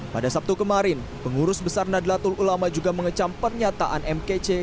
pada sabtu kemarin pengurus besar nadlatul ulama juga mengecam pernyataan mkc